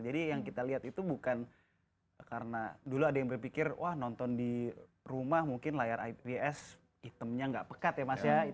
jadi yang kita lihat itu bukan karena dulu ada yang berpikir wah nonton di rumah mungkin layar ips hitamnya nggak pekat ya mas ya